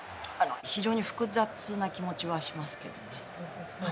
非常に複雑な気持ちはしますけどね。